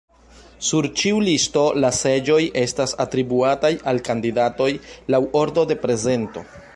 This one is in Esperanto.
Sur ĉiu listo, la seĝoj estas atribuataj al kandidatoj laŭ ordo de prezento.